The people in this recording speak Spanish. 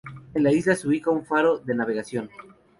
En la isla se ubica un faro de navegación.